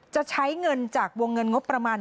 จะใช้เงินจากวงเงินงบประมาณ